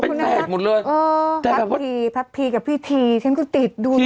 เป็นแฟนหมดเลยอ๋อพัทภีร์พัทภีร์กับพี่ธีร์ชั้นก็ติดดูท์วันเลย